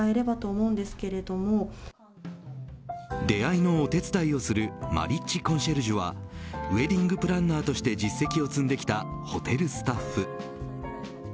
出会いのお手伝いをするマリッジコンシェルジュはウェディングプランナーとして実績を積んできたホテルスタッフ。